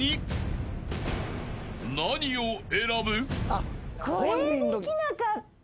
［何を選ぶ？］